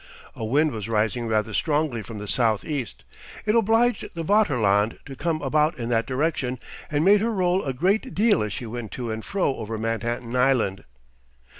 A wind was rising rather strongly from the south east. It obliged the Vaterland to come about in that direction, and made her roll a great deal as she went to and fro over Manhattan Island.